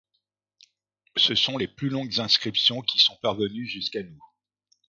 Ce sont les plus longues inscriptions qui sont parvenues jusqu'à nous.